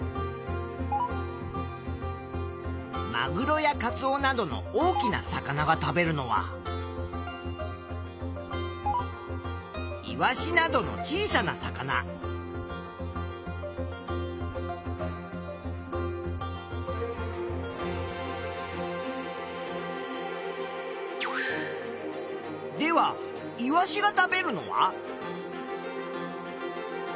マグロやカツオなどの大きな魚が食べるのはイワシなどの小さな魚。ではイワシが食べるのは？